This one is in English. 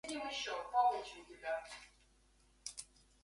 Aldwincle the centre of airport domination in the Midlands.